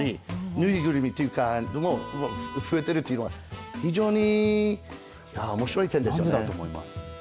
縫いぐるみが増えているというのは非常におもしろい点ですね。